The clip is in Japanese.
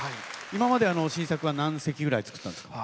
今まで新作は何席ぐらい作ったんですか？